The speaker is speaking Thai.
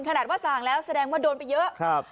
ขนาดว่าสั่งแล้วแสดงว่าโดนไปเยอะ